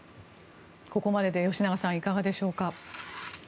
ここまでで吉永さんいかがでしょうか？